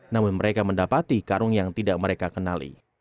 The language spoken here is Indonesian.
namun mereka mendapati karung yang tidak mereka kenali